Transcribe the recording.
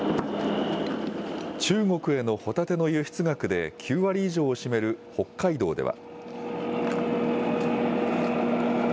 中国へのホタテの輸出額で９割以上を占める北海道では。